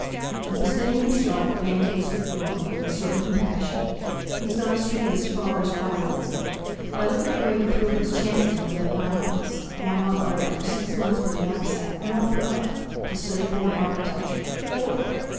Of Bosinney himself Baynes would speak warmly, with a certain compassion: "He's got a streak of his father's Byronism. Why, look at the way he threw up his chances when he left my office; going off like that for six months with a knapsack, and all for what?—to study foreign architecture—foreign!